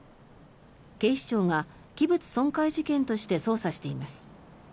警視庁が器物破損事件として捜査しています。